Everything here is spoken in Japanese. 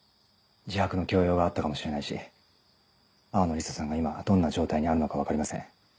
自白の強要があったかもしれないし淡野リサさんが今どんな状態にあるのか分かりません。